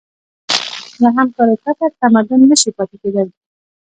له همکارۍ پرته تمدن نهشي پاتې کېدی.